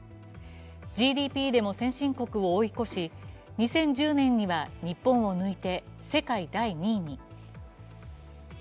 ＧＤＰでも先進国を追い越し、２０１０年には日本を抜いて世界第２位に。